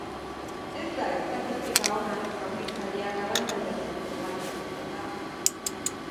Ez da estatistika ona jaurtitzaileak abantaila duen jokaldi bat izanda.